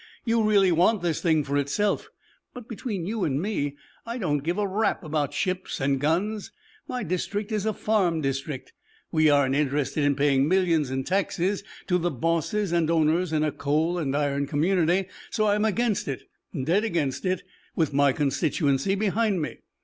You really want this thing for itself. But, between you and me, I don't give a rap about ships and guns. My district is a farm district. We aren't interested in paying millions in taxes to the bosses and owners in a coal and iron community. So I'm against it. Dead against it with my constituency behind me.